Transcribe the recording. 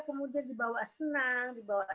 kemudian dibawa senang dibawa